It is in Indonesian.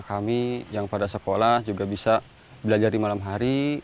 kami yang pada sekolah juga bisa belajar di malam hari